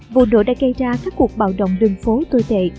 vụ nổ đã gây ra các cuộc bạo động đường phố tồi tệ